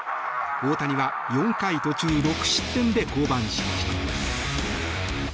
大谷は４回途中６失点で降板しました。